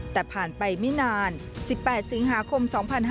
แต่ผ่านไปไม่นาน๑๘สิงหาคม๒๕๕๙